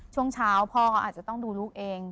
ช่วงเช้าพ่อเขาอาจจะต้องดูลูกเอง